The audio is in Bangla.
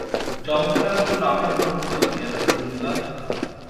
জবাবে তারা বলল, আমরা গ্রহণ করলাম ইয়া রাসূলাল্লাহ!